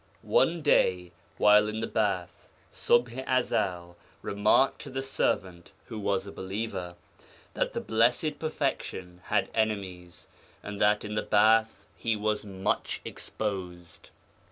'One day while in the bath Ṣubḥ i Ezel remarked to the servant (who was a believer) that the Blessed Perfection had enemies and that in the bath he was much exposed....